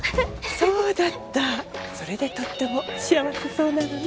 そうだったそれでとっても幸せそうなのね